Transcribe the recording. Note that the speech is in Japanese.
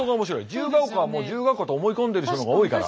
自由が丘はもう自由が丘と思い込んでいる人の方が多いから。